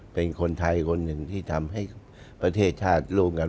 เป็นคนไทยคนหนึ่งที่ทำให้ประเทศชาติร่วมกัน